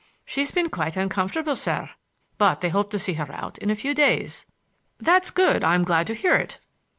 "She's been quite uncomfortable, sir; but they hope to see her out in a few days!" "That's good; I'm glad to hear it."